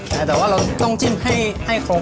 แต่ว่าเราต้องจิ้มให้ครบ